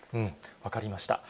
分かりました。